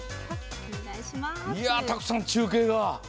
たくさん中継が。